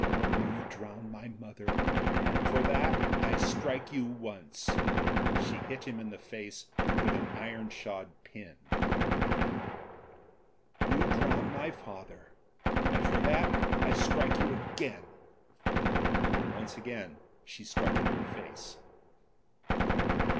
"You drowned my mother, and for that I strike you once." She hit him in the face with an iron shod pin. "You drowned my father, and for that I strike you again.'' Once again she struck him in the face.